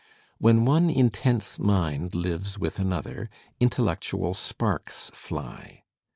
When one intense mind lives with another, intellectual sparks fly.